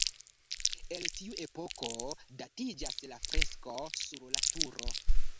El tiu epoko datiĝas la fresko sur la turo.